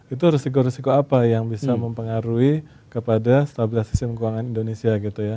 itu risiko risiko apa yang bisa mempengaruhi kepada stabilitas sistem keuangan indonesia gitu ya